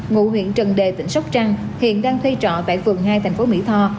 ngụ huyện trần đề tỉnh sóc trăng hiện đang thuê trọ tại phường hai thành phố mỹ tho